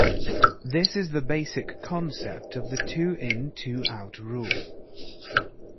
This is the basic concept of the two-in, two-out rule.